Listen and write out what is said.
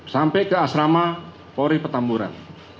sampai ke asrama polri petamburan